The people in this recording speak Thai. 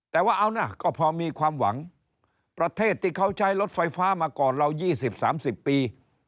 แต่ว่าเอานะก็พอมีความหวังประเทศที่เขาใช้รถไฟฟ้ามาก่อนเรา๒๐๓๐ปี